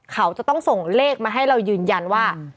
เขาจะต้องส่งเลขมาให้เรายืนยันว่า